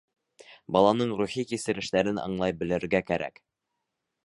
Баланың рухи кисерештәрен аңлай белергә кәрәк.